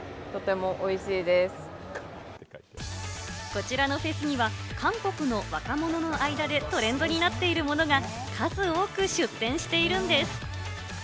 こちらのフェスには韓国の若者の間でトレンドになっているものが数多く出展しているんです。